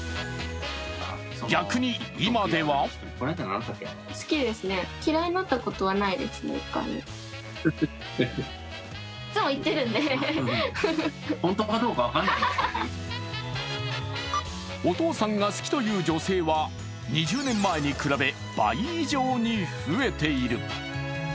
逆に、今ではお父さんが好きという女性は２０年前に比べ倍以上に増えている。